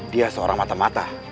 dia seorang mata mata